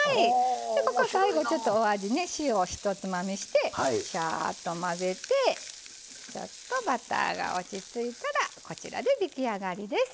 ここ最後ちょっとお味ね塩を１つまみしてしゃっと混ぜてちょっとバターが落ち着いたらこちらで出来上がりです。